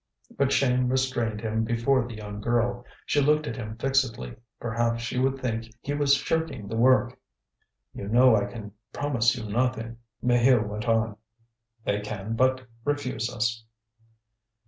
But shame restrained him before the young girl. She looked at him fixedly; perhaps she would think he was shirking the work. "You know I can promise you nothing," Maheu went on. "They can but refuse us."